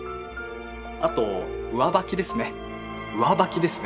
あと上履きですね。